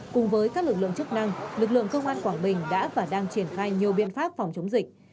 cùng với các lực lượng chức năng lực lượng công an quảng bình đã và đang triển khai nhiều biện pháp phòng chống dịch